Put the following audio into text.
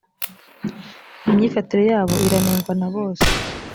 imyifatire yabo iranengwa nabose.